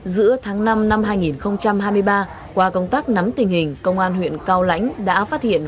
giữa tháng năm năm hai nghìn hai mươi ba qua công tác nắm tình hình công an huyện cao lãnh đã phát hiện